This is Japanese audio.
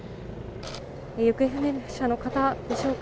行方不明者の方でしょうか？